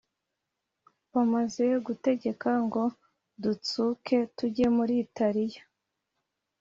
Bamaze gutegeka ngo dutsuke tujye muri Italiya